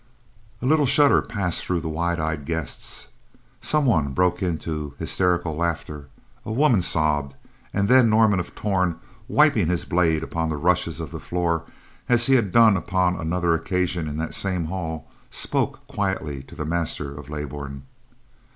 A little shudder passed through the wide eyed guests. Some one broke into hysterical laughter, a woman sobbed, and then Norman of Torn, wiping his blade upon the rushes of the floor as he had done upon another occasion in that same hall, spoke quietly to the master of Leybourn.